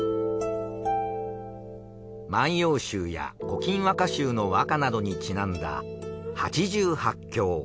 『万葉集』や『古今和歌集』の和歌などにちなんだ八十八境。